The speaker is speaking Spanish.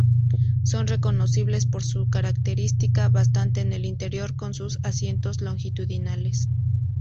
Son reconocibles por su característica bastante en el interior con sus asientos longitudinales.